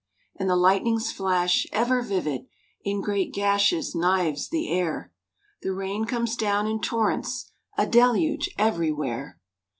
And the lightning's flash, ever vivid, In great gashes knives the air; The rain comes down in torrents, A deluge everywhere!